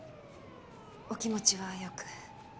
お気持ちはよく。